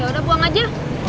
ya udah buang aja